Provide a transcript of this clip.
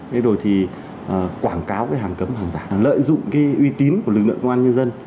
đối với quảng cáo hàng cấm hàng giả lợi dụng uy tín của lực lượng công an nhân dân